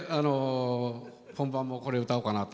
本番も、これ歌おうかなと。